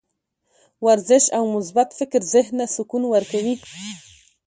ورزش او مثبت فکر ذهن ته سکون ورکوي.